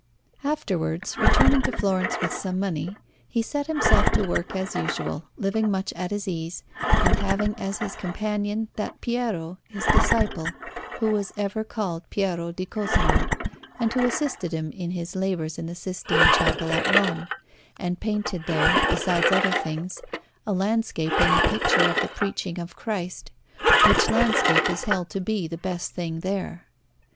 Afterwards, returning to Florence with some money, he set himself to work as usual, living much at his ease, and having as his companion that Piero, his disciple, who was ever called Piero di Cosimo, and who assisted him in his labours in the Sistine Chapel at Rome, and painted there, besides other things, a landscape in the picture of the Preaching of Christ, which landscape is held to be the best thing there.